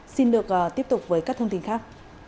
xin được tiếp tục với các thông tin khác